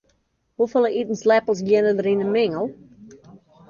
Hoefolle itensleppels geane der yn in mingel?